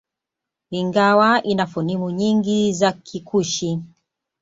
Ingawa ina fonimu nyingi za Kikushi